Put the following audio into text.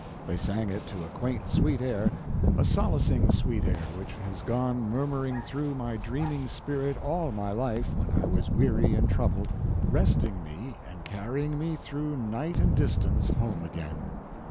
They sang it to a quaint sweet air—a solacing sweet air which has gone murmuring through my dreaming spirit all my life when I was weary and troubled, resting me and carrying me through night and distance home again.